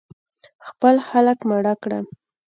خپل خلک ماړه کړم.